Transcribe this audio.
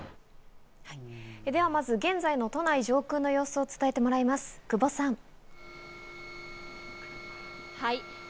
ではまず現在の都内上空の様子を伝えてもらいます、久保さん。